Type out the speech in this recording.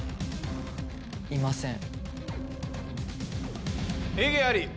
いません。